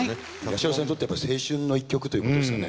八代さんにとってはやっぱり青春の１曲ということですかね？